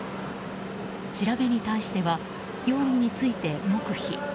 調べに対しは、容疑について黙秘。